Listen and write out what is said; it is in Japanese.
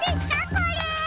これ！